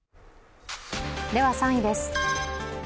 では３位です。